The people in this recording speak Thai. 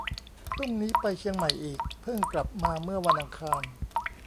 พรุ่งนี้ไปเชียงใหม่อีก เพิ่งกลับมาเมื่อวันอังคาร